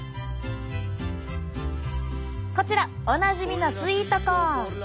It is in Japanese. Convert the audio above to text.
こちらおなじみのスイートコーン。